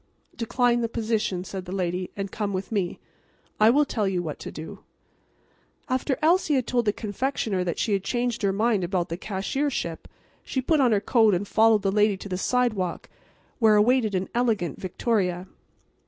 "Decline the position," said the lady, "and come with me. I will tell you what to do." After Elsie had told the confectioner that she had changed her mind about the cashiership she put on her coat and followed the lady to the sidewalk, where awaited an elegant victoria.